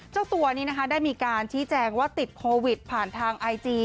เจ้าตัวนี้นะคะได้มีการชี้แจงว่าติดโควิดผ่านทางไอจี